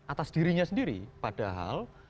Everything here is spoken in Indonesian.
atas dirinya sendiri padahal